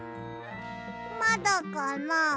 まだかな。